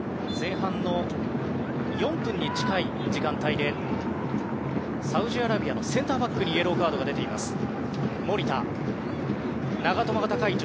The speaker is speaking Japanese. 前半の４分に近い時間帯でサウジアラビアのセンターバックにイエローカードが出ています。